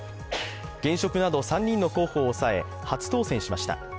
現職など３人の候補を抑え初当選しました。